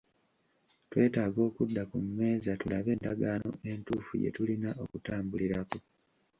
Twetaaga okudda ku mmeeza tulabe endagaano entuufu gye tulina okutambulirako.